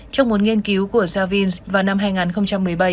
trong một nghiên cứu của savins vào năm hai nghìn một mươi bảy